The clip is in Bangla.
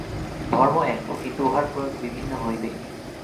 ধর্ম এক, কিন্তু উহার প্রয়োগ বিভিন্ন হইবেই।